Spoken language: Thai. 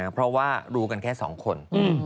เพราะว่ารู้กันแค่๒คน